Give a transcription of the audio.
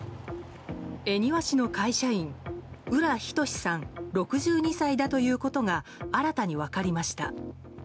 恵庭市の会社員浦仁志さん、６２歳だということが新たに分かりました。